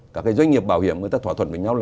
các doanh nghiệp bảo hiểm thỏa thuận với nhau